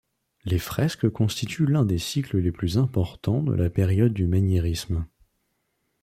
Les fresques constituent l’un des cycles les plus importants de la période du maniérisme.